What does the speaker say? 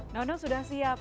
nono sudah siap